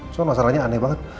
soalnya masalahnya aneh banget